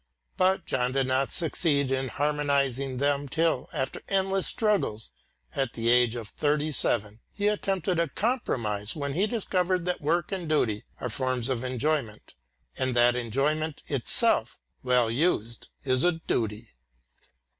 But John did not succeed in harmonising them till, after endless struggles, at the age of thirty seven, he attempted a compromise when he discovered that work and duty are forms of enjoyment, and that enjoyment itself, well used, is a duty.